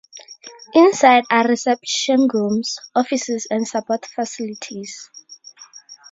Inside are reception rooms, offices and support facilities.